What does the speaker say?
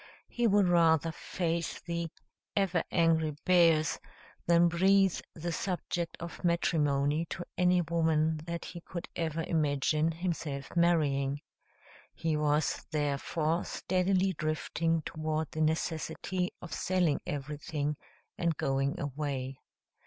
He would rather face the "ever angry bears" than breathe the subject of matrimony to any woman that he could ever imagine himself marrying. He was therefore steadily drifting toward the necessity of selling everything and going away.